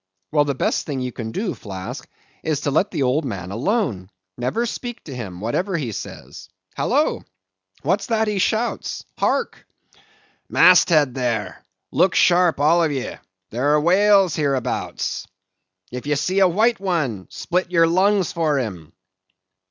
Well, the best thing you can do, Flask, is to let the old man alone; never speak to him, whatever he says. Halloa! What's that he shouts? Hark!" "Mast head, there! Look sharp, all of ye! There are whales hereabouts! "If ye see a white one, split your lungs for him!